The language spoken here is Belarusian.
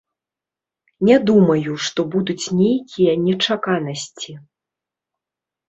Не думаю, што будуць нейкія нечаканасці.